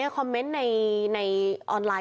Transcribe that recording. ขอบคุณครับ